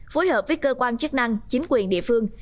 phối hợp với cơ quan chức năng chính quyền địa phương